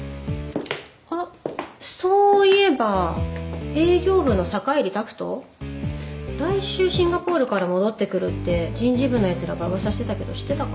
あっそういえば営業部の坂入拓人？来週シンガポールから戻ってくるって人事部のやつらがうわさしてたけど知ってたか？